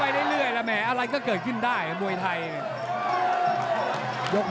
มั่นใจว่าจะได้แชมป์ไปพลาดโดนในยกที่สามครับเจอหุ้กขวาตามสัญชาตยานหล่นเลยครับ